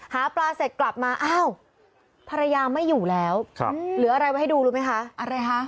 หาปลาเสร็จกลับมาอ้าวภรรยาไม่อยู่แล้วเหลืออะไรไว้ให้ดูรู้ไหมคะอะไรคะ